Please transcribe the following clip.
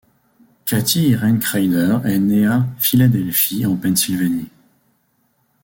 Katie Irene Kreider est née à Philadelphie en Pennsylvanie.